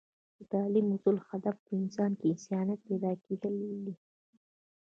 د تعلیم اصل هدف په انسان کې انسانیت پیدا کیدل دی